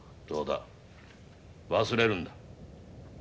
そうだ忘れるんだ。